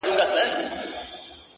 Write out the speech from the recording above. کمزوری سوئ يمه ـ څه رنگه دي ياده کړمه ـ